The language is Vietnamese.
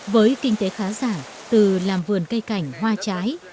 với kinh tế khá giả từ làm vườn cây cảnh hoa trái